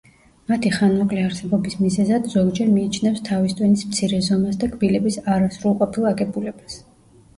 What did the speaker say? მათი ხანმოკლე არსებობის მიზეზად ზოგჯერ მიიჩნევს თავის ტვინის მცირე ზომას და კბილების არასრულყოფილ აგებულებას.